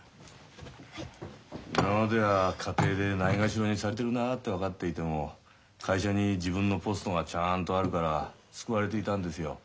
今までは家庭でないがしろにされてるなって分かっていても会社に自分のポストがちゃんとあるから救われていたんですよ。